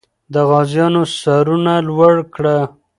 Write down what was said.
د غازیانو سرونه لوړ کړه.